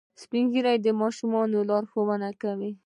سپین ږیری د ماشومانو لارښوونه کوي